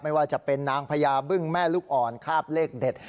ไม่ว่าจะเป็นนางพญาบึ้งแม่ลูกอ่อนคาบเลขเด็ด